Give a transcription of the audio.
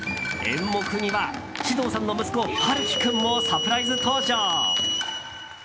演目には獅童さんの息子陽喜君もサプライズ登場。